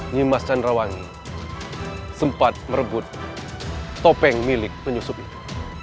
nimas candrawangi sempat merebut topeng milik penyusup itu